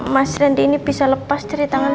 mas rendy ini bisa lepas dari tanganmu